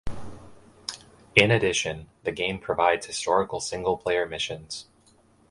In addition, the game provides historical single-player missions.